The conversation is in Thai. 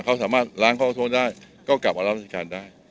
เขาสามารถล้างข้อส่วนได้ก็กลับเอารับรัฐการณ์ได้